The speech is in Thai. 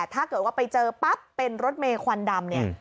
ถ้าเกิดว่าไปเจอปั๊บเป็นรถเมย์ควันดำเนี่ย